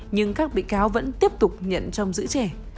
nhưng các bị cáo vẫn tiếp tục nhận trong giữ trẻ